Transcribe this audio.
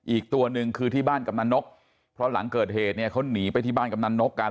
อีกตัวหนึ่งคือที่บ้านกำนันนกเพราะหลังเกิดเหตุเนี่ยเขาหนีไปที่บ้านกำนันนกกัน